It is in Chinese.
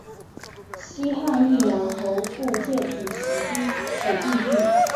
西汉义阳侯傅介子始居北地郡。